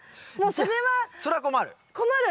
それは困る。